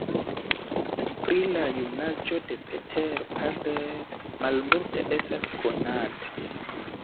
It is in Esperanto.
Pri la junaĝo de Peter Parler malmulte estas konata.